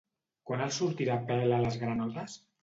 Quan els sortirà pèl a les granotes?